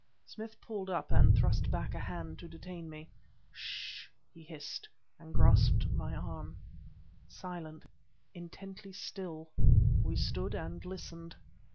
Smith pulled up, and thrust back a hand to detain me. "Ssh!" he hissed, and grasped my arm. Silent, intently still, we stood and listened.